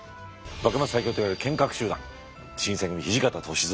幕末最強といわれる剣客集団新選組土方歳三。